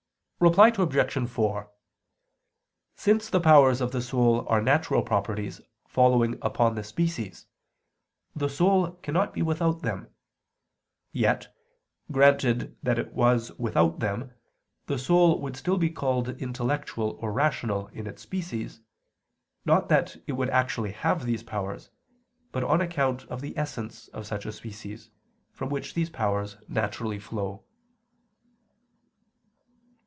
Reply Obj. 4: Since the powers of the soul are natural properties following upon the species, the soul cannot be without them. Yet, granted that it was without them, the soul would still be called intellectual or rational in its species, not that it would actually have these powers, but on account of the essence of such a species, from which these powers naturally flow.